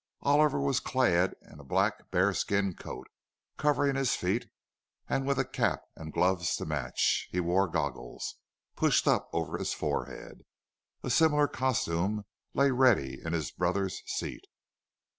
Oliver was clad in a black bearskin coat, covering his feet, and with cap and gloves to match; he wore goggles, pushed up over his forehead. A similar costume lay ready in his brother's seat.